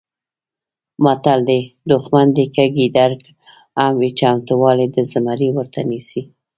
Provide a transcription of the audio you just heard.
متل دی: دوښمن دې که ګیدړ هم وي چمتوالی به د زمري ورته نیسې.